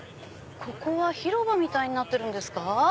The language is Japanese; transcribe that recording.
ここは広場みたいになってるんですか。